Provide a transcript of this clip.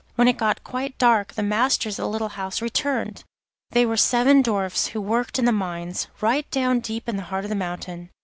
When it got quite dark the masters of the little house returned. They were seven dwarfs who worked in the mines, right down deep in the heart of the mountain.